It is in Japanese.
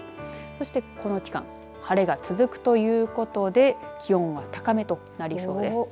そして、この期間晴れが続くということで気温は高めとなりそうです。